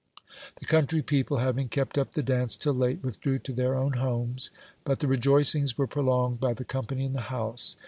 The country people, having kept up the dance till late, withdrew to their own homes ; but the rejoicings were prolonged by the company in the house.